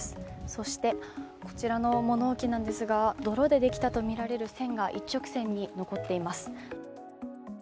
そして、こちらの物置なんですが泥でできたとみられる線が一直線に残っています。